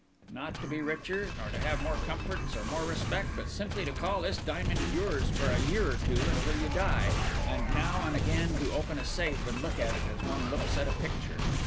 Not to be richer, nor to have more comforts or more respect, but simply to call this diamond yours for a year or two until you die, and now and again to open a safe and look at it as one looks at a picture."